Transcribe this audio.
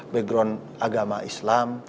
background agama islam